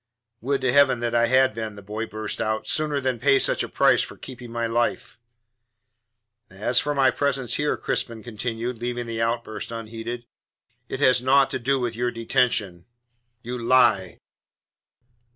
"Would to Heaven that I had been," the boy burst out, "sooner than pay such a price for keeping my life!" "As for my presence here," Crispin continued, leaving the outburst unheeded, "it has naught to do with your detention." "You lie!"